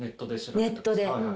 ネットで。